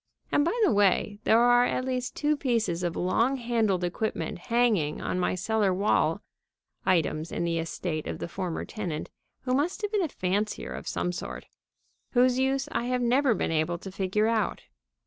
And, by the way, there are at least two pieces of long handled equipment hanging on my cellar wall (items in the estate of the former tenant, who must have been a fancier of some sort) whose use I have never been able to figure out.